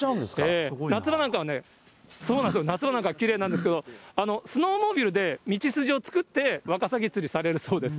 夏場なんかはね、きれいなんですけど、スノーモービルで道筋を作ってワカサギ釣りされるそうです。